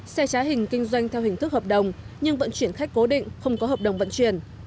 xe trá hình kinh doanh theo hình thức hợp đồng nhưng vận chuyển khách cố định không có hợp đồng vận chuyển